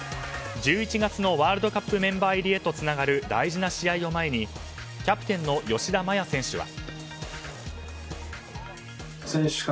１１月のワールドカップメンバー入りへとつながる大事な試合を前にキャプテンの吉田麻也選手は。